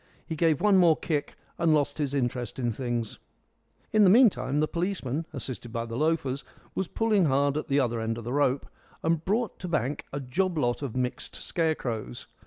He gave one more kick, and lost his interest in things. In the meantime the policeman, assisted by the loafers, was pulling hard at the other end of the rope, and brought to bank a job lot of mixed scarecrows.